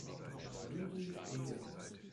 Ligi" umgeändert.